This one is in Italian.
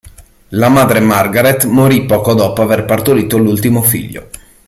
La madre Margaret morì poco dopo aver partorito l'ultimo figlio.